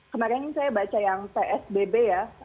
kemarin saya baca yang psbb ya